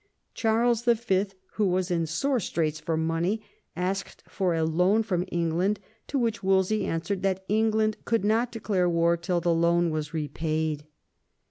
Charles V., who was in sore straits for money, asked for a loan from England, to which Wolsey answered that England could not declare war till the loan was repaid.